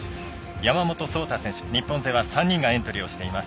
山本草太選手、日本勢は３人がエントリーしています。